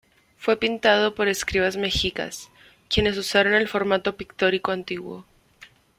Fue pintado por escribas mexicas, quienes usaron el formato pictórico antiguo.